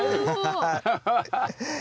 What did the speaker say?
ハハハッ。